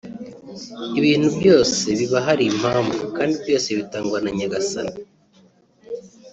“Ibintu byose biba hari impamvu kandi byose bitangwa na Nyagasani